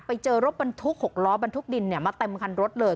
ไปเจอรถบรรทุก๖ล้อบรรทุกดินมาเต็มคันรถเลย